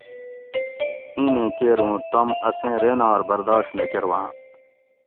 ایں نے کیر اُوں تم اسیں رینار برداش نہ کۤرواں